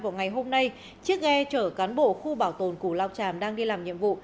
vào ngày hôm nay chiếc ghe chở cán bộ khu bảo tồn củ lao tràm đang đi làm nhiệm vụ